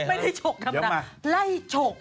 ไม่ได้ชกธรรมดาระยชก